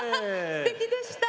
すてきでした。